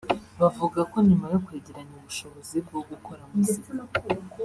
bavuga ko nyuma yo kwegeranya ubushobozi bwo gukora muzika